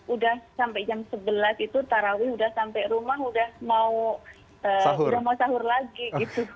udah sampai jam sebelas itu tarawih udah sampai rumah udah mau sahur lagi gitu